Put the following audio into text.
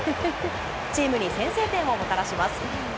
チームに先制点をもたらします。